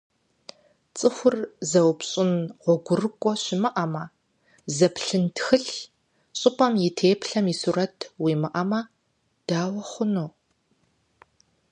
ЦӀыхур зэупщӀын гъуэгурыкӀуэ щымыӀэмэ, зэплъын тхылъ, щӀыпӀэм и теплъэм и сурэт уимыӀэмэ, дауэ хъуну?